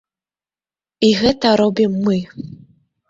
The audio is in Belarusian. І гэта робім мы.